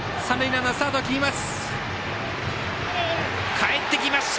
かえってきました！